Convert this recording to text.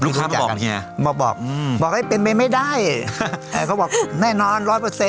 ลูกค้ามาบอกเฮียมาบอกบอกให้เป็นไม่ได้เขาบอกแน่นอน๑๐๐